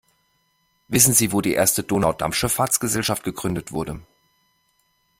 Wissen Sie, wo die erste Donaudampfschifffahrtsgesellschaft gegründet wurde?